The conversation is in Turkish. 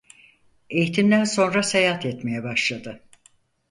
Eğitimden sonra seyahat etmeye başladı.